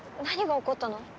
何が起こったの？